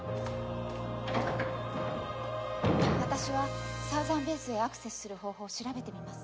私はサウザンベースへアクセスする方法を調べてみます。